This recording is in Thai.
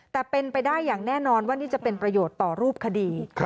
แต่เป็นไปได้อย่างแน่นอนว่านี่จะเป็นประโยชน์ต่อรูปคดี